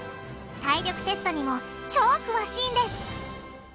体力テストにも超詳しいんです。